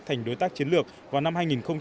thành đối tác chiến lược vào năm hai nghìn một mươi ba